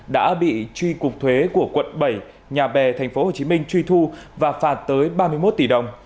đã bị tri cục thuế của quận bảy nhà bè tp hcm truy thu và phạt tới ba mươi một tỷ đồng